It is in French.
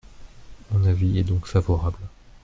Mon avis est donc favorable.